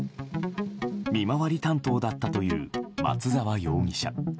見回り担当だったという松沢容疑者。